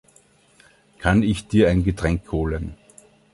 Kann ich dir ein Getränk holen?